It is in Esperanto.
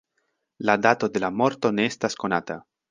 La dato de la morto ne estas konata.